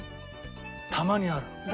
たまにあるの。